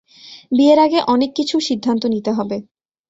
বিয়ের আগে অনেক কিছুর, সিদ্ধান্ত নিতে হবে।